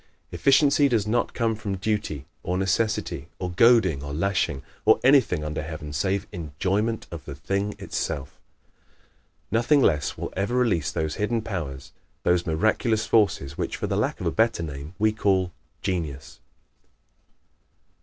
Efficiency does not come from duty, or necessity, or goading, or lashing, or anything under heaven save ENJOYMENT OF THE THING ITSELF. Nothing less will ever release those hidden powers, those miraculous forces which, for the lack of a better name, we call "genius."